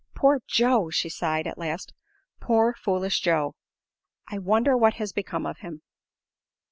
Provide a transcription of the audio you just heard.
"Poor Joe!" she sighed, at last. "Poor, foolish Joe. I wonder what has become of him?"